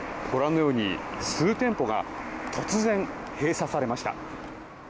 ご覧のように数店舗が突然、閉鎖されました。